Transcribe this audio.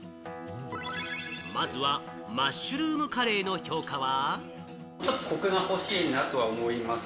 まずは、マッシュルームカレーの評価は？